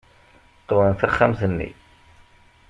Qwem taxxamt-nni.